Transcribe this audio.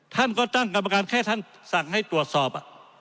ท่านก็ตั้งกรรมการแค่ท่านสั่งให้ตรวจสอบ